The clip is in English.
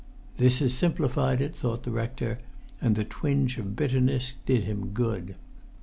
"This has simplified it," thought the rector; and the twinge of bitterness did him good.